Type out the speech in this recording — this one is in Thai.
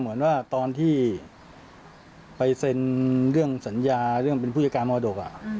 เหมือนว่าตอนที่ไปเซ็นเรื่องสัญญาเรื่องเป็นผู้จัดการมรดก